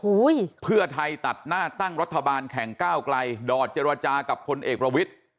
เพื่อไทยตัดหน้าตั้งรัฐบาลแข่งก้าวไกลดอดเจรจากับพลเอกประวิทธิ์